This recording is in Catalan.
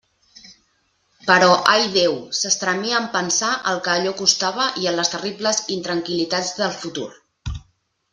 Però ai, Déu!, s'estremia en pensar el que allò li costava i en les terribles intranquil·litats del futur.